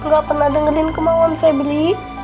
gak pernah dengerin kemauan febri